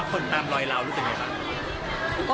ก็คือพี่ที่อยู่เชียงใหม่พี่อธค่ะ